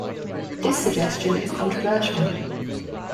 This suggestion is controversial.